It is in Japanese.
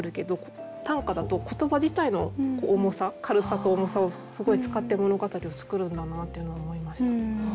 短歌だと言葉自体の「重さ」「軽さ」と「重さ」をすごい使って物語を作るんだなっていうのを思いました。